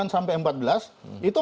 sembilan sampai empat belas itu